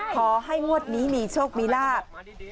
ขอให้งวดนี้มีโชคมีลาบ